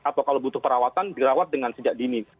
atau kalau butuh perawatan dirawat dengan sejak dini